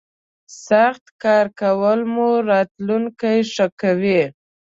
سخت کار کولو مو راتلوونکی ښه کوي.